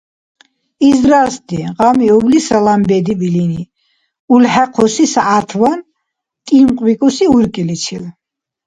— ИзрастӀи! — гъамиубли салам бедиб илини улхӀехъуси сягӀятван тимхъбикӀуси уркӀиличил.